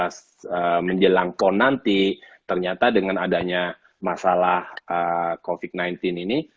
jadi kita sudah menjelangkan nanti ternyata dengan adanya masalah covid sembilan belas ini